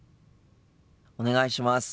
お願いします。